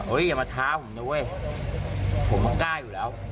อย่ามาท้าผมนะเว้ยผมก็กล้าอยู่แล้ว